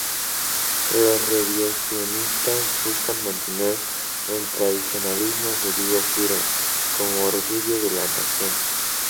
Los revisionistas buscan mantener el tradicionalismo judío firme, como orgullo de la nación.